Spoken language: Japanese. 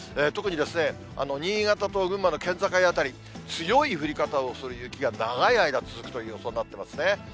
特にですね、新潟と群馬の県境辺り、強い降り方をする雪が長い間、続くという予想になってますね。